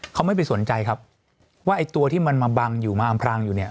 เขาไม่ไปสนใจครับว่าไอ้ตัวที่มันมาบังอยู่มาอำพรางอยู่เนี่ย